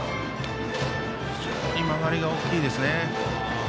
非常に曲がりが大きいですね。